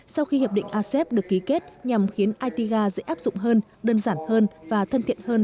sau khi hiệp định asep được ký kết nhằm khiến itga dễ áp dụng hơn đơn giản hơn và thân thiện hơn